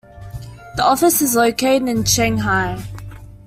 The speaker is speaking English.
The office is located in Shanghai.